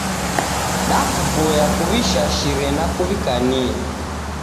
Dakuvoya kuw'ishashire na kuw'ikanie.